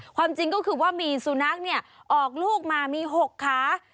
ความจริงก็คือว่ามีสุนัขเนี่ยออกลูกมามี๖ขา